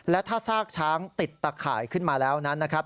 และถ้าซากช้างติดตะข่ายขึ้นมาแล้วนั้นนะครับ